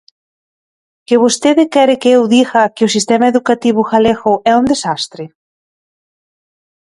¿Que vostede quere que eu diga que o sistema educativo galego é un desastre?